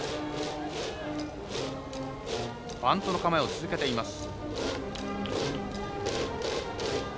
バントの構えを続けています。